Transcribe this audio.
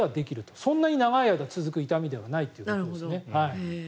そんなに長い間続く痛みではないということですね。